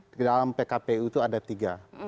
di dalam pkpu itu ada tiga